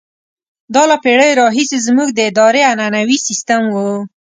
دا له پېړیو راهیسې زموږ د ادارې عنعنوي سیستم وو.